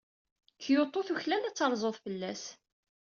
Kyoto tuklal ad terzuḍ fell-as.